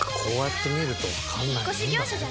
こうやって見るとわかんないもんだね。